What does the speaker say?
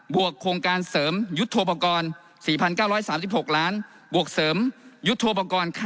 บวกโครงการเสริมยุตโภ